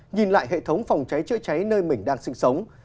nhìn lại hệ thống phòng cháy chữa cháy nơi mình đang sinh sống